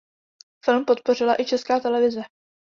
Film podpořila i Česká televize.